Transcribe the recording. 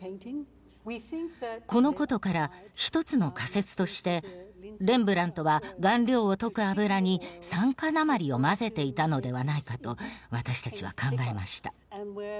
このことから一つの仮説としてレンブラントは顔料を溶く油に酸化鉛を混ぜていたのではないかと私たちは考えました。